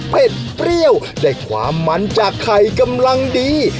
เปรี้ยวได้ความมันจากไข่กำลังดี